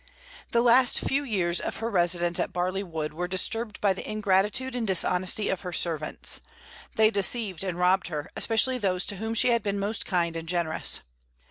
The last few years of her residence at Barley Wood were disturbed by the ingratitude and dishonesty of her servants. They deceived and robbed her, especially those to whom she had been most kind and generous.